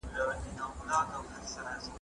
موږ بايد له تشو شعارونو څخه تېر سو.